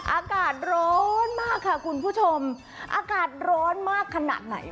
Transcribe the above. อากาศร้อนมากค่ะคุณผู้ชมอากาศร้อนมากขนาดไหน